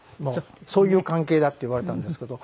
そういう関係だって言われたんですけど。